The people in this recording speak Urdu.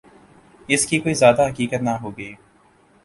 اس کی کوئی زیادہ حقیقت نہ ہو گی۔